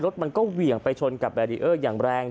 รถมันก็เหวี่ยงไปชนกับแบรีเออร์อย่างแรง